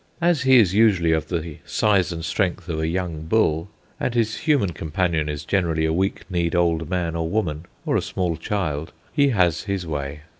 As he is usually of the size and strength of a young bull, and his human companion is generally a weak kneed old man or woman, or a small child, he has his way.